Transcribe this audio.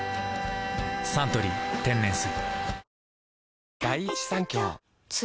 「サントリー天然水」